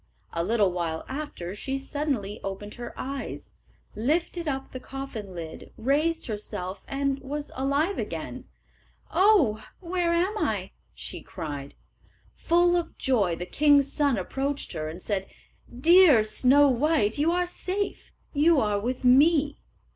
A little while after she suddenly opened her eyes, lifted up the coffin lid, raised herself and was again alive. "Oh! where am I?" she cried. Full of joy, the king's son approached her, and said, "Dear Snow white, you are safe; you are with me."